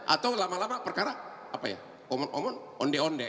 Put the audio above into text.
atau lama lama perkara omon omon onde onde